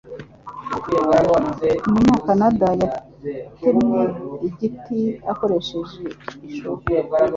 Umunyakanada yatemye igiti akoresheje ishoka.